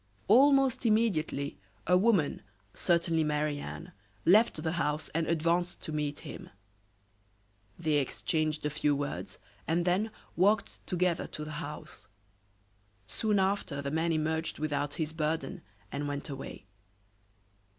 Almost immediately a woman, certainly Marie Anne, left the house and advanced to meet him. They exchanged a few words and then walked together to the house. Soon after the man emerged without his burden and went away.